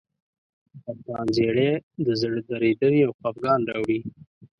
سرطان زیړی د زړه درېدنې او خپګان راوړي.